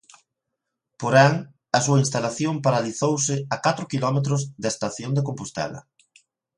Porén, a súa instalación paralizouse a catro quilómetros da estación de Compostela.